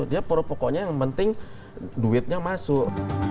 dia pro pokoknya yang penting duitnya masuk